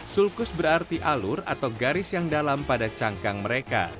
sulkus berarti alur atau garis yang dalam pada cangkang mereka